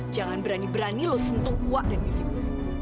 jangan berani berani lo sentuh wak dan bibik